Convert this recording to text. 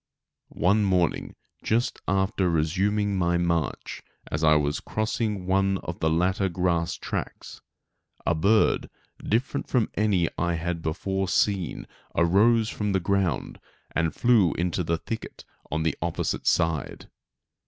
One morning, just after resuming my march as I was crossing one of the latter grass tracts, a bird different from any I had before seen arose from the ground and flew into the thicket on the opposite side.